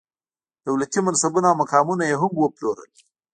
دولتي منصبونه او مقامونه یې هم وپلورل.